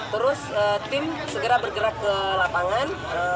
terus tim segera bergerak ke lapangan